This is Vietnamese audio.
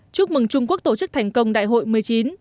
chúc mừng trung quốc tổ chức thành công đại hội một mươi chín